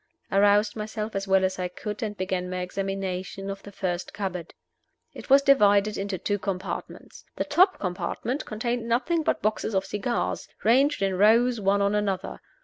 I roused myself as well as I could, and began my examination of the first cupboard. It was divided into two compartments. The top compartment contained nothing but boxes of cigars, ranged in rows, one on another.